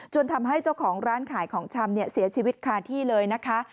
ทำให้เจ้าของร้านขายของชำเสียชีวิตคาที่เลยนะคะ